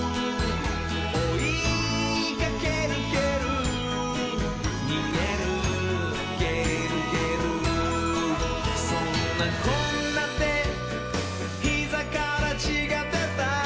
「おいかけるけるにげるげるげる」「そんなこんなでひざからちがでた」